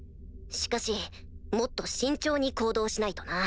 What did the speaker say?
しかしもっと慎重に行動しないとな。